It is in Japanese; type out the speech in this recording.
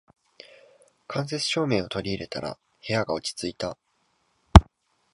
間接照明を取り入れたら部屋が落ち着いた